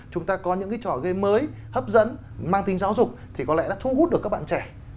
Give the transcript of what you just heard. chúng ta có những cái trò game mới hấp dẫn mang tính giáo dục thì có lẽ đã thu hút được các bạn trẻ